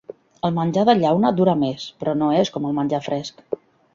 El menjar de llauna dura més, però no és com el menjar fresc.